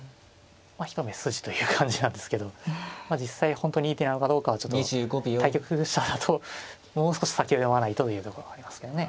一目筋という感じなんですけど実際本当にいい手なのかどうかはちょっと対局者だともう少し先を読まないとというところはありますけどね。